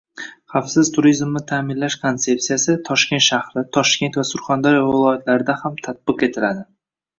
Xavfsiz turizmni ta’minlash konsepsiyasi Toshkent shahri, Toshkent va Surxondaryo viloyatlarida ham tatbiq etiladi